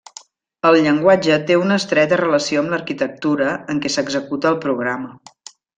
El llenguatge té una estreta relació amb l'arquitectura en què s'executa el programa.